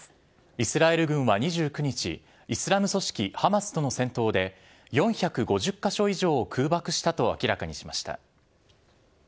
イスラエル軍は２９日、イスラム組織ハマスとの戦闘で、４５０か所以上を空爆したと明らかにしました。